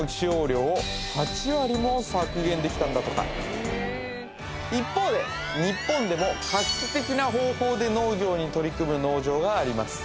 これでできたんだとか一方で日本でも画期的な方法で農業に取り組む農場があります